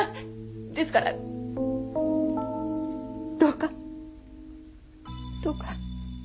ですからどうかどうか。